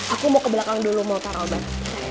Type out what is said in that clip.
aku mau ke belakang dulu mau taro banget